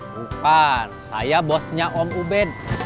bukan saya bosnya om ubed